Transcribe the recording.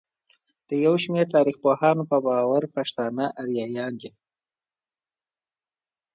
د يوشمېر تاريخپوهانو په باور پښتانه اريايان دي.